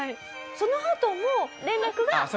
そのあとも連絡が。